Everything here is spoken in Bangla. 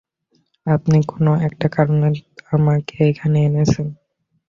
আপনি কোনো একটা কারণে আমাকে এখানে এনেছেন।